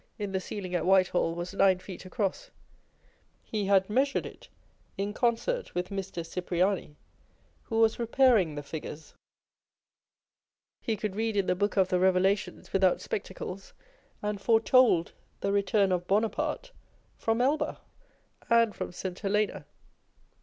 in the ceiling at Whitehall was nine feet across (he had measured it in concert with Mr. Cipriani, who was repairing the figures) ho could read in the Book of the Revelations without spectacles, and foretold the return of Buonaparte from Elba â€" and from St. Helena